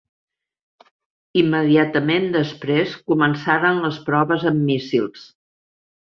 Immediatament després començaren les proves amb míssils.